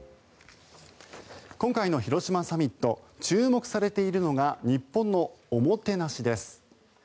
今回の広島サミット注目されているのが日本のおもてなしです。